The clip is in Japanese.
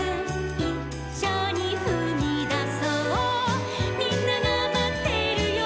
「『いっしょにふみだそうみんながまってるよ』」